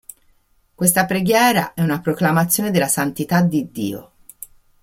Questa preghiera è una proclamazione della santità di Dio.